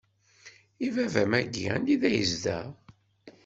I baba-m-aki anida yezdeɣ?